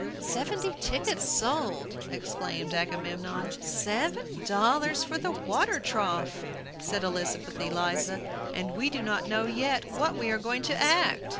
"Seventy tickets sold!" exclaimed Agamemnon. "Seven dollars for the water trough!" said Elizabeth Eliza. "And we do not know yet what we are going to act!"